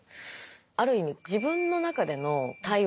ある意味自分の中での対話